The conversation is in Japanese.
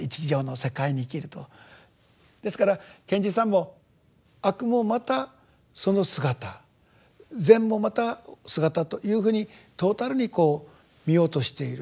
ですから賢治さんも「悪もまたその姿」「善もまた姿」というふうにトータルにこう見ようとしている。